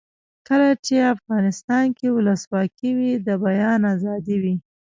کله چې افغانستان کې ولسواکي وي د بیان آزادي وي.